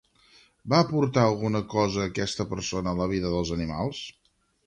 Va aportar alguna cosa aquesta persona a la vida dels animals?